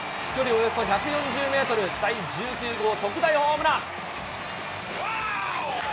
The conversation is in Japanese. およそ１４０メートル、第１９号特大ホームラン。